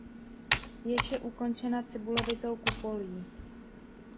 Věž je ukončena cibulovitou kupolí.